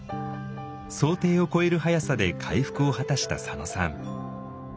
想定を超える速さで回復を果たした佐野さん。